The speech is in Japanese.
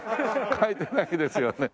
書いてないですよね。